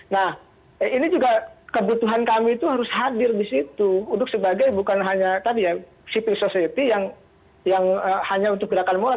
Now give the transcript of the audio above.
nah ini juga kebutuhan kami itu harus hadir di situ untuk sebagai bukan hanya tadi ya civil society yang hanya untuk gerakan moral